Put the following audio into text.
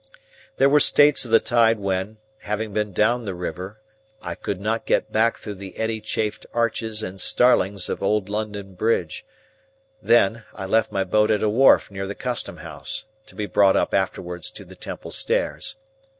There were states of the tide when, having been down the river, I could not get back through the eddy chafed arches and starlings of old London Bridge; then, I left my boat at a wharf near the Custom House, to be brought up afterwards to the Temple stairs.